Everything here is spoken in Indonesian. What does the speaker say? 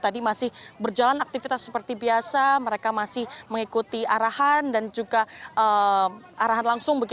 tadi masih berjalan aktivitas seperti biasa mereka masih mengikuti arahan dan juga arahan langsung